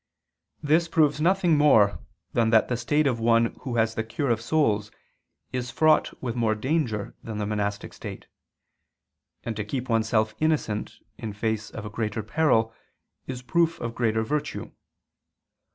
This proves nothing more than that the state of one who has the cure of souls is fraught with more danger than the monastic state; and to keep oneself innocent in face of a greater peril is proof of greater virtue.